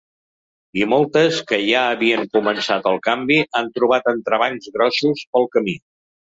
I moltes, que ja havien començat el canvi, han trobat entrebancs grossos pel camí.